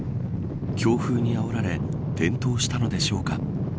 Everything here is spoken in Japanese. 強風にあおられ転倒したのでしょうか。